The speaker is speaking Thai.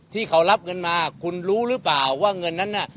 ที่เขารับเงินมาคุณรู้หรือเปล่าว่าเงินนั้นน่ะ